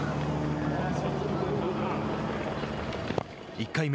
１回目。